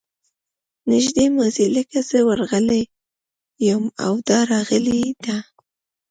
نږدې ماضي لکه زه ورغلی یم او دا راغلې ده.